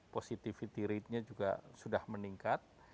positivity ratenya juga sudah meningkat